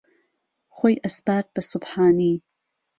خۆی ئهسپارد به سوبحانی